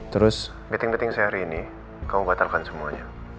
terus beting beting sehari ini kamu batalkan semuanya